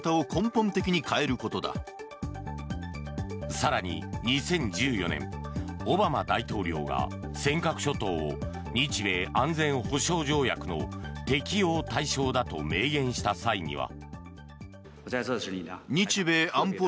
更に、２０１４年オバマ大統領が尖閣諸島を日米安全保障条約の適用対象だと明言した際には。